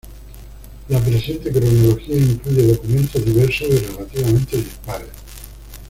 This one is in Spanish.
La presente cronología incluye documentos diversos y relativamente dispares.